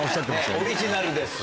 オリジナルです！